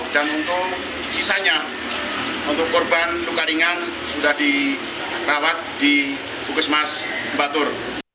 dan untuk sisanya untuk korban luka ringan sudah dirawat di puskesmas mbatur